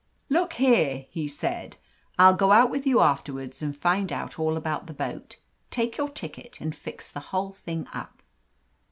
"Look here," he said, "I'll go out with you afterwards and find out all about the boat, take your ticket, and fix the whole thing up."